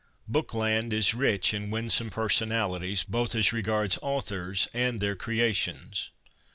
'Bookland' is rich in winsome personalities, both as regards authors and their creations.